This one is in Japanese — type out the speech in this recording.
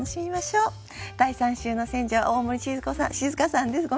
第３週の選者は大森静佳さんです。